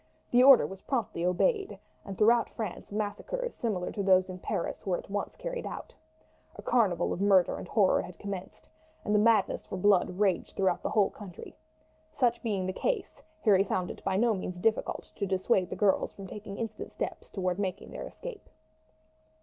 The order was promptly obeyed, and throughout France massacres similar to those in Paris were at once carried out. A carnival of murder and horror had commenced, and the madness for blood raged throughout the whole country. Such being the case, Harry found it by no means difficult to dissuade the girls from taking instant steps towards making their escape.